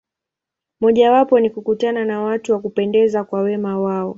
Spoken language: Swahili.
Mojawapo ni kukutana na watu wa kupendeza kwa wema wao.